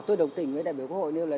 tôi đồng tình với đại biểu quốc hội